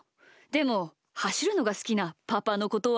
でもはしるのがすきなパパのことは？